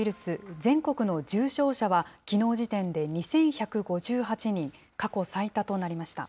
全国の重症者はきのう時点で２１５８人、過去最多となりました。